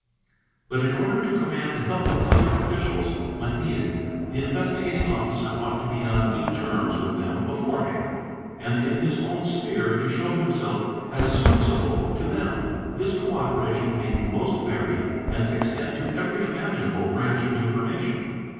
But in order to command the help of other _ officials when needed, the Investigating Officer ought to be on good terms with them beforehand and in his own sphere to show himself as service able to them. This co operation may be most varied and extend to every imaginable branch of information.